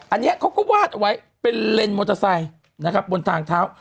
อันนี้เขาก็วาดเอาไว้เป็นเลนมอเตอร์ไซค์นะครับบนทางเท้า